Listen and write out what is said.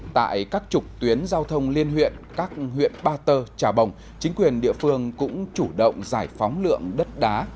tại các trục tuyến giao thông liên huyện các huyện ba tơ trà bồng chính quyền địa phương cũng chủ động giải phóng lượng đất đá